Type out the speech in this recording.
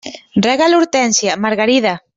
Rega l'hortènsia, Margarida.